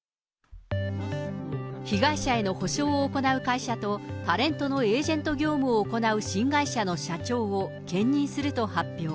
被害者への補償を行う会社とタレントのエージェント業務を行う新会社の社長を兼任すると発表。